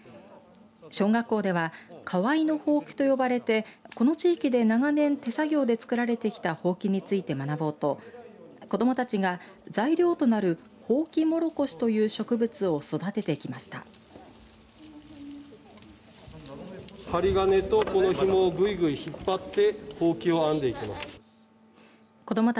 小学校では河合のほうきと呼ばれてこの地域で長年手作業で作られてきたほうきについて学ぼうと子どもたちが材料となるホウキモロコシという植物を育ててきました。